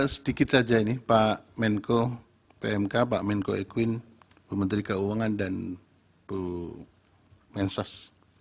sedikit saja ini pak menko pmk pak menko ekwin bu menteri keuangan dan bu mensos